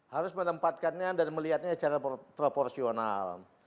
harus menempatkannya dan melihatnya secara proporsional